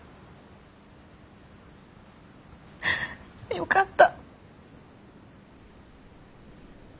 よかった。